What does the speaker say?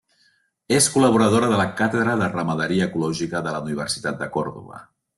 És col·laboradora de la càtedra de ramaderia ecològica de la Universitat de Còrdova.